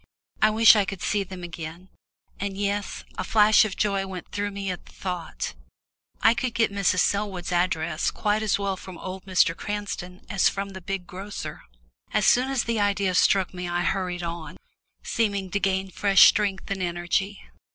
I wished I could see them again, and yes a flash of joy went through me at the thought I could get Mrs. Selwood's address quite as well from old Mr. Cranston as from the big grocer! As soon as the idea struck me I hurried on, seeming to gain fresh strength and energy.